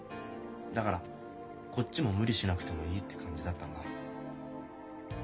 だからこっちも無理しなくてもいいって感じだったんだ。